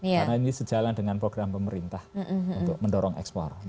karena ini sejalan dengan program pemerintah untuk mendorong ekspor